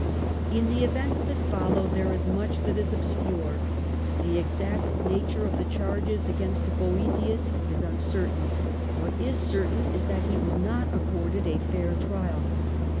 In the events that followed there is much that is obscure. The exact nature of the charges against Boethius is uncertain ; what is certain is that he was not accorded a fair trial.